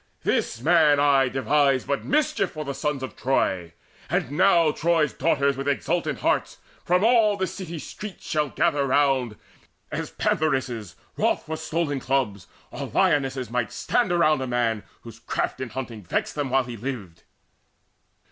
This man aye Devised but mischief for the sons of Troy; And now Troy's daughters with exultant hearts From all the city streets shall gather round, As pantheresses wroth for stolen cubs, Or lionesses, might stand around a man Whose craft in hunting vexed them while he lived.